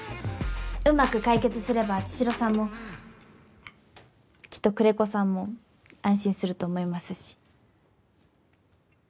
うまく解決すれば茅代さんもきっと久連木さんも安心すると思いますし。